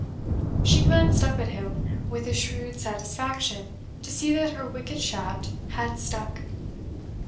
She glanced up at him with a shrewd satisfaction to see that her wicked shaft had stuck.